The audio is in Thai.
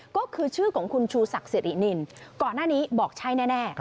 ก็คือชื่อของคุณชูศักดิ์สิรินินก่อนหน้านี้บอกใช่แน่